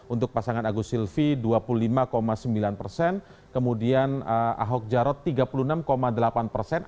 untuk pasangan agus silvi dua puluh lima sembilan persen kemudian ahok jarot tiga puluh enam delapan persen